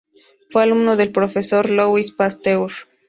Fue alumno del profesor Louis Pasteur.